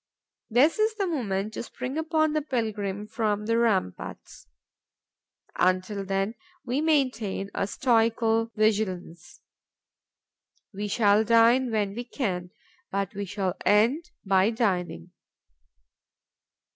This is the moment to spring upon the pilgrim from the ramparts. Until then, we maintain a stoical vigilance. We shall dine when we can; but we shall end by dining.